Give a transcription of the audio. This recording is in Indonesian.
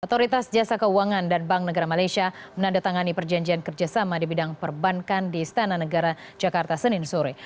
otoritas jasa keuangan dan bank negara malaysia menandatangani perjanjian kerjasama di bidang perbankan di istana negara jakarta senin sore